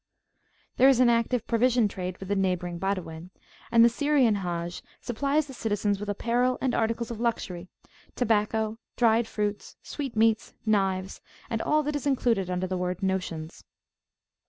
There is an active provision trade with the neighbouring Badawin, and the Syrian Hajj supplies the citizens with apparel and articles of luxurytobacco, dried fruits, sweetmeats, knives, and all that is included under the word notions.